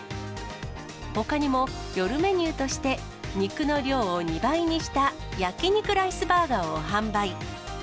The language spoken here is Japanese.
ほかにも夜メニューとして、肉の量を２倍にした焼肉ライスバーガーを販売。